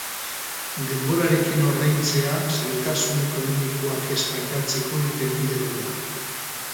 Denborarekin ordaintzea zailtasun ekonomikoak ez pairatzeko irtenbide bat da.